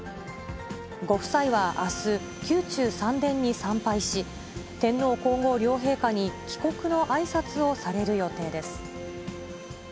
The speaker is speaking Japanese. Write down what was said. ご夫妻はあす、宮中三殿に参拝し、天皇皇后両陛下に帰国のあいさつをされる予定です。